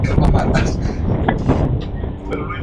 La sede de condado es Homer.